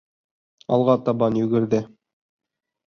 Алға табан йүгерҙе.